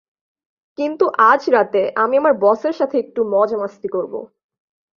কিন্তু আজ রাতে, আমি আমার বসের সাথে একটু মজমাস্তি করবো।